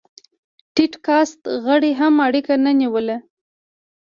ټيټ کاست غړي هم اړیکه نه نیوله.